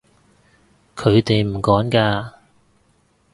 佢哋唔趕㗎